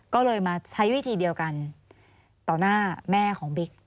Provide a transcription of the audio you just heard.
ก็เลยมาใช้วิธีเดียวกันต่อหน้าแม่ของบิ๊ก